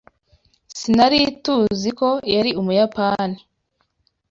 Sinari TUZI ko yari Umuyapani.